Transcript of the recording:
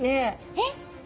えっ？